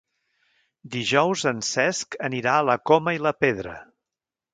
Dijous en Cesc anirà a la Coma i la Pedra.